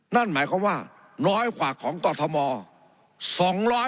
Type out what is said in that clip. นั่นหมายความว่าน้อยกว่าของกรทม